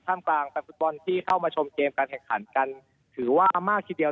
กลางแฟนฟุตบอลที่เข้ามาชมเกมการแข่งขันกันถือว่ามากทีเดียว